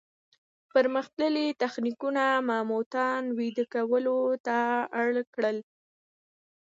پرمختللي تخنیکونه ماموتان ویده کولو ته اړ کړل.